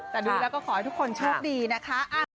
แต่ดูแล้วก็ขอให้ทุกคนโชคดีนะคะ